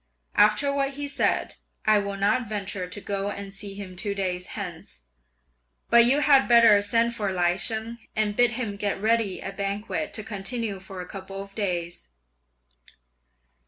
After what he said, I will not venture to go and see him two days hence; but you had better send for Lai Sheng, and bid him get ready a banquet to continue for a couple of days."